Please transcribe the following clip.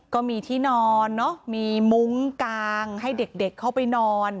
ก็มีที่นอนเนอะมีมุ้งกางให้เด็กเข้าไปนอน